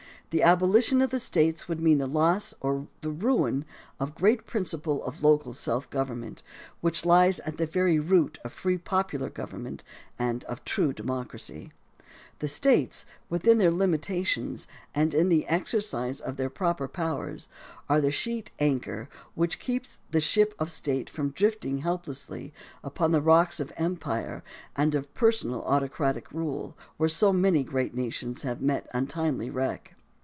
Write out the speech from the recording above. The abolition of the States would mean the loss or the ruin of the great principle of local self gov ernment, which lies at the very root of free popular government and of true democracy. The States, within their limitations and in the exercise of their proper powers, are the sheet anchor which keeps the ship of state from drifting helplessly upon the rocks of 158 THE DEMOCRACY OF ABRAHAM LINCOLN empire and of personal autocratic rule, where so many great nations have met untimely wreck.